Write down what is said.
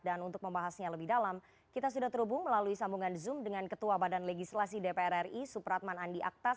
dan untuk membahasnya lebih dalam kita sudah terhubung melalui sambungan zoom dengan ketua badan legislasi dpr ri supratman andi aktas